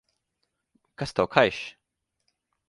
Kas tev kaiš?